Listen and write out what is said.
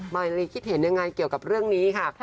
มายลีคิดเห็นยังไงเกี่ยวกับเรื่องนี้ค่ะ